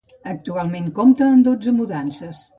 Actualment compta amb dotze mudances.